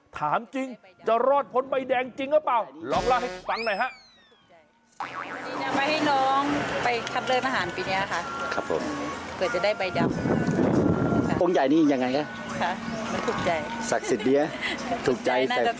ถามจริงจะรอดพ้นใบแดงจริงหรือเปล่าลองเล่าให้ฟังหน่อยฮะ